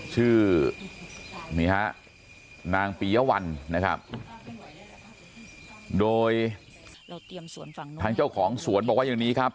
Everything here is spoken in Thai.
ชื่อนี่ฮะนางปียวัลนะครับโดยทางเจ้าของสวนบอกว่าอย่างนี้ครับ